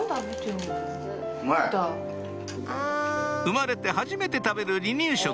生まれてはじめて食べる離乳食